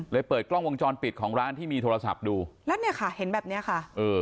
เปิดกล้องวงจรปิดของร้านที่มีโทรศัพท์ดูแล้วเนี่ยค่ะเห็นแบบเนี้ยค่ะเออ